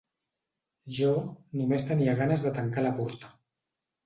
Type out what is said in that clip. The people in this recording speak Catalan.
Jo només tenia ganes de tancar la porta.